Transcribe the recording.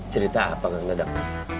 cerita apa kang dadang